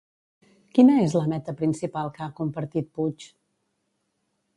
Quina és la meta principal que ha compartit Puig?